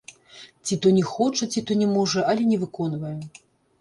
Ці то не хоча, ці то не можа, але не выконвае.